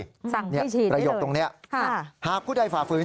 สั่งให้ฉีดได้เลยค่ะประโยคตรงนี้หากผู้ใดฝ่าฝืน